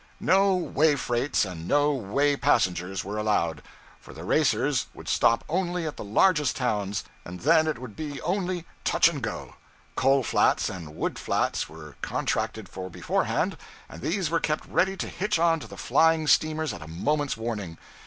No way freights and no way passengers were allowed, for the racers would stop only at the largest towns, and then it would be only 'touch and go.' Coal flats and wood flats were contracted for beforehand, and these were kept ready to hitch on to the flying steamers at a moment's warning.